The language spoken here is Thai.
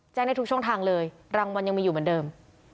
ได้ทุกช่องทางเลยรางวัลยังมีอยู่เหมือนเดิม